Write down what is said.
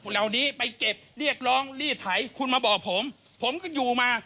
เหล่านี้ไปเก็บเรียกร้องลีดไถคุณมาบอกผมผมก็อยู่มา